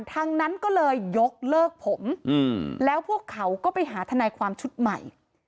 นั้นก็เลยยกเลิกผมแล้วพวกเขาก็ไปหาทนายความชุดใหม่